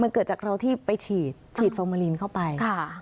มันเกิดจากเราที่ไปฉีดฟอร์มาลีนเข้าไป